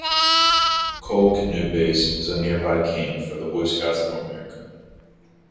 Cole Canoe Base is a nearby camp for the Boy Scouts of America.